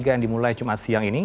yang dimulai jumat siang ini